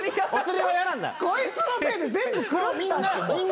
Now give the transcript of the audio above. こいつのせいで全部狂った。